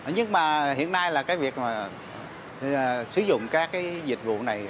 nhưng mà hiện nay là cái việc mà sử dụng các cái dịch vụ này